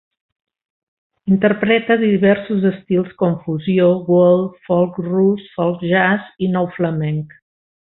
Interpreta diversos estils com fusió, world, folk rus, folk-jazz i nou flamenc.